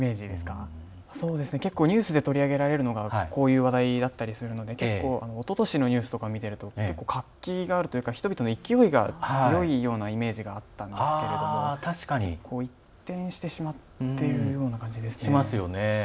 結構、ニュースで取り上げられるのがこういう話題だったりするのでおととしのニュースなんかを見てると結構、活気があるというか人々の勢いが強いようなイメージがあったんですけれども一転してしまっているような感じですね。